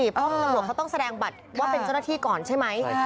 เพราะตำรวจเขาต้องแสดงบัตรว่าเป็นเจ้าหน้าที่ก่อนใช่ไหม